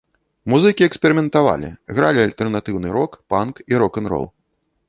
Музыкі эксперыментавалі, гралі альтэрнатыўны рок, панк і рок-н-рол.